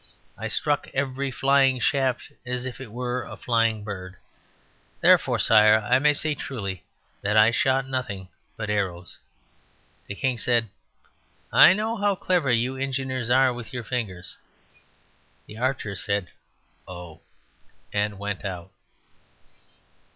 I struck every flying shaft as if it were a flying bird. Therefore, Sire, I may say truly, that I shot nothing but arrows." The king said, "I know how clever you engineers are with your fingers." The archer said, "Oh," and went out.